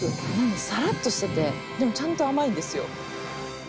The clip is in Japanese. サラっとしててでもちゃんと甘いんですよ。